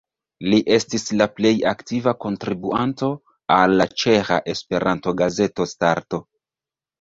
Li estis la plej aktiva kontribuanto al la ĉeĥa Esperanto-gazeto Starto.